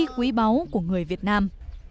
quý báu của người việt nam